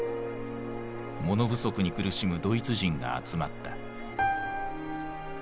物不足に苦しむドイツ人が集まった。